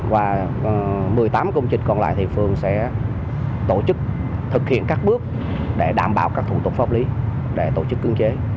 và một mươi tám công trình còn lại thì phường sẽ tổ chức thực hiện các bước để đảm bảo các thủ tục pháp lý để tổ chức cưỡng chế